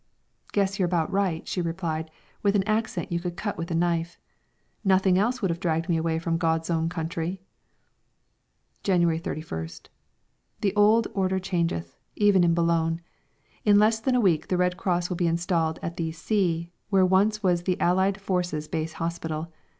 "Guess you're about right," she replied, with an accent you could cut with a knife. "Nothing else would have dragged me away from God's own country!" January 31st. The old order changeth even in Boulogne! In less than a week the Red Cross will be installed at the C , where once was the Allied Forces Base Hospital.